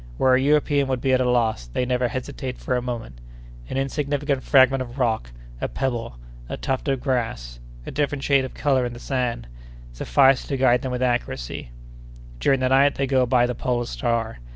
Where a European would be at a loss, they never hesitate for a moment. An insignificant fragment of rock, a pebble, a tuft of grass, a different shade of color in the sand, suffice to guide them with accuracy. During the night they go by the polar star.